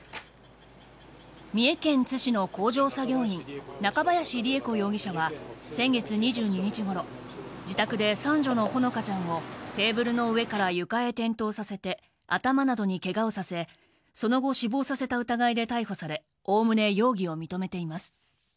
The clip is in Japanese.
三重県津市の工場作業員中林りゑ子容疑者は先月２２日ごろ自宅で、三女のほのかちゃんをテーブルの上から床へ転倒させて頭などにケガをさせその後死亡させた疑いで逮捕されおおむね容疑を認めています。